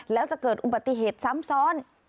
แล้วจะเกิดอุบัติเหตุซ้ำซ้อน